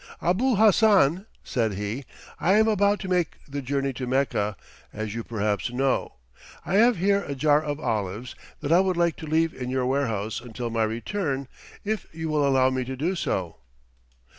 "Abul Hassan," said he, "I am about to make the journey to Mecca, as you perhaps know. I have here a jar of olives that I would like to leave in your warehouse until my return, if you will allow me to do so."